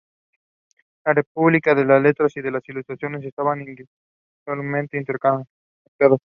La República de las Letras y de la Ilustración estaban indisolublemente interconectadas.